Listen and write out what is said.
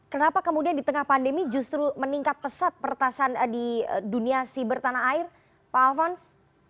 kenapa kemudian di tengah pandemi justru meningkat pesat pertasan di dunia siber tanah air pak alfons